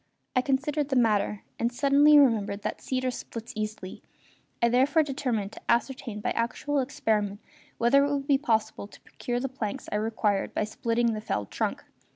I considered the matter and suddenly remembered that cedar splits easily; I therefore determined to ascertain by actual experiment whether it would be possible to procure the planks I required by splitting the felled trunk.